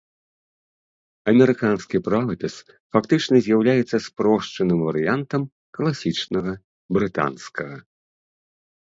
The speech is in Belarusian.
Амерыканскі правапіс фактычна з'яўляецца спрошчаным варыянтам класічнага брытанскага.